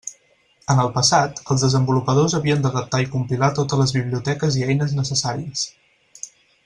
En el passat, els desenvolupadors havien d'adaptar i compilar totes les biblioteques i eines necessàries.